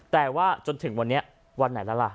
แต่ว่าจนถึงวันนี้วันไหนแล้วล่ะ